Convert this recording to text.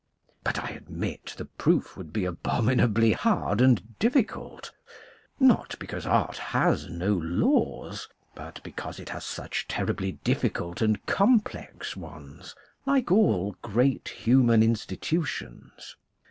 But I admit the proof would be abominably hard and difficult, not because art has no laws, but because it has such terribly diffi cult and complex ones, like all great human institu tions.